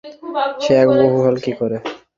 আবার অদ্বৈতবাদীও বোঝাতে পারেন না যে, এক বহু হল কি করে।